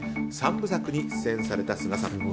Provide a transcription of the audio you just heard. ３部作に出演された須賀さん。